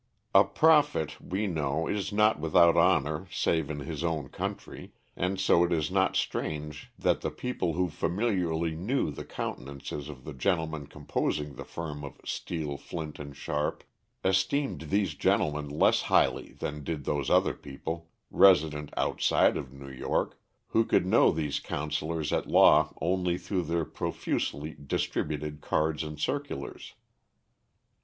A prophet, we know, is not without honor save in his own country, and so it is not strange that the people who familiarly knew the countenances of the gentlemen composing the firm of Steel, Flint & Sharp, esteemed these gentlemen less highly than did those other people, resident outside of New York, who could know these counselors at law only through their profusely distributed cards and circulars.